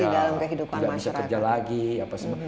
dalam kehidupan masyarakat